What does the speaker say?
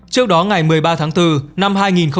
trước đó ngày một mươi ba tháng bốn năm hai nghìn hai mươi